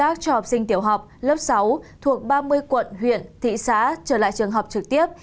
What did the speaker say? hợp tác cho học sinh tiểu học lớp sáu thuộc ba mươi quận huyện thị xã trở lại trường học trực tiếp